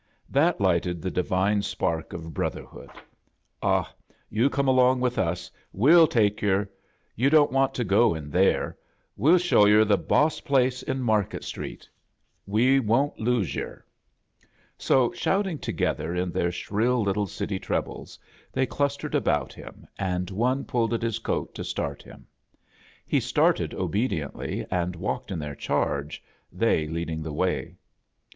That lighted the divine spark of broth erhood! "Ah, you come along with us — we*n take yer! You don't want to go in there. 'Weil show yer the boss place in Market A JOURNEY IN SEARCH OF CHRISTMAS Street. V* won't lose yer." So, shout ins togethei in their shrill little city trebles, they clustered about him, and one pulled at his coat to start htm. He started obe dieotly, and walked in their chai^e» thi leading the way.